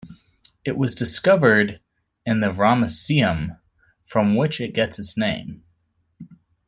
It was discovered in the Ramesseum, from which it gets its name.